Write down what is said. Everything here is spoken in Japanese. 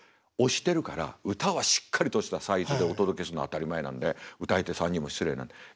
押してるから歌はしっかりとしたサイズでお届けするの当たり前なんで歌い手さんにも失礼なんで。